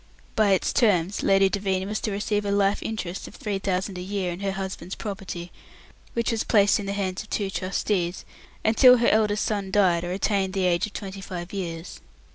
By its terms Lady Devine was to receive a life interest of three thousand a year in her husband's property which was placed in the hands of two trustees until her eldest son died or attained the age of twenty five years.